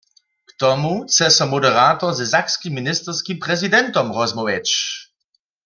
K tomu chce so moderator ze sakskim ministerskim prezidentom rozmołwjeć.